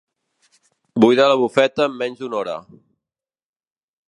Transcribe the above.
Buida la bufeta en menys d'una hora.